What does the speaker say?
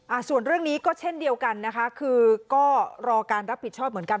ส่วนเรื่องนี้ก็เช่นเดียวกันนะคะคือก็รอการรับผิดชอบเหมือนกัน